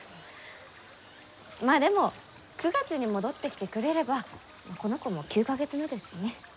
まあでも９月に戻ってきてくれればこの子も９か月目ですしね。